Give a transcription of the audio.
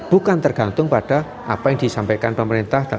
bukan tergantung pada apa yang disampaikan pemerintah